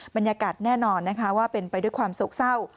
บรรยากาศแน่นอนนะคะว่าเป็นไปด้วยความโศกเศร้า